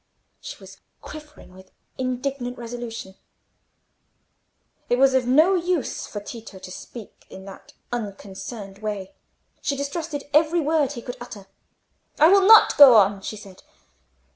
She was quivering with indignant resolution; it was of no use for Tito to speak in that unconcerned way. She distrusted every word he could utter. "I will not go on," she said.